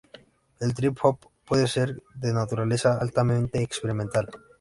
El trip hop puede ser de naturaleza altamente experimental.